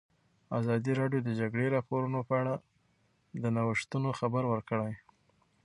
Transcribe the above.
ازادي راډیو د د جګړې راپورونه په اړه د نوښتونو خبر ورکړی.